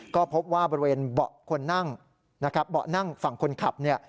ก็พบว่าบริเวณเบาะคนนั่งฝั่งคนขับ